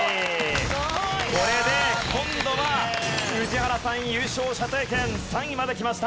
これで今度は宇治原さん優勝射程圏３位まできました。